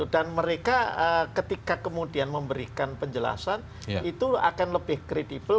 mereka ketika kemudian memberikan penjelasan itu akan lebih kredibel